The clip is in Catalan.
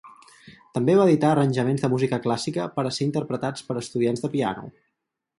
També va editar arranjaments de música clàssica per a ser interpretats per estudiants de piano.